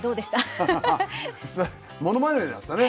アハハものまねだったね。